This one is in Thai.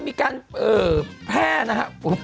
มีการแพร่นะครับ